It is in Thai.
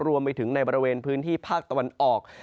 รวมไปถึงในบริเวณพื้นที่ภาคตะวันออก